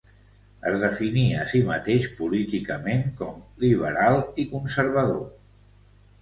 Es definia a si mateix políticament com liberal i conservador.